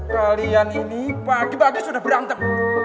kalian ini pagi pagi sudah berangkat